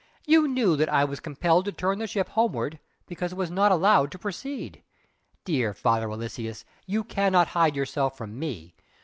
You knew that I was compelled to turn the ship homeward because it was not allowed to proceed! Dear Father Aloysius, you cannot hide yourself from me!